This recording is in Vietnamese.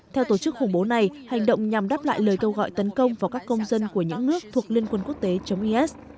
theo tổ chức khủng bố này hành động nhằm đáp lại lời kêu gọi tấn công vào các công dân của những nước thuộc liên quân quốc tế chống is